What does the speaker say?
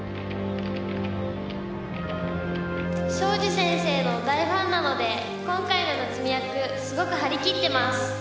庄司先生の大ファンなので今回の夏美役すごく張り切ってます！